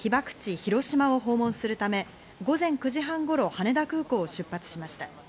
・広島を訪問するため、午前９時半頃、羽田空港を出発しました。